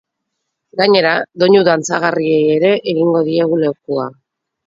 Gainera, doinu dantzagarriei ere egingo diegu lekua.